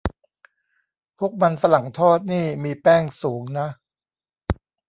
พวกมันฝรั่งทอดนี่มีแป้งสูงนะ